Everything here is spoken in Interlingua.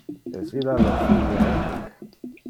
Es illa lor filia unic?